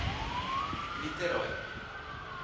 Niterói